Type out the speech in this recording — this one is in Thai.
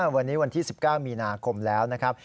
วันนี้วันที่๑๙มีนาคมแล้วนะครับ